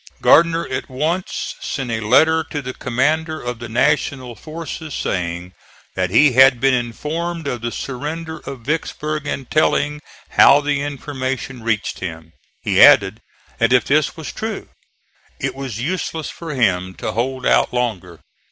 Gardner at once sent a letter to the commander of the National forces saying that he had been informed of the surrender of Vicksburg and telling how the information reached him. He added that if this was true, it was useless for him to hold out longer.